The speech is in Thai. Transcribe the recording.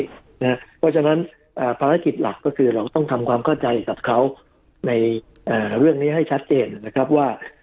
เพราะฉะนั้นภารกิจหลักก็คือเราต้องทำความเข้าใจกับเขาในเรื่องนี้ให้ชัดเจนนะครับว่า